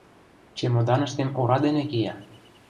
— Чемоданыштем ора дене кия.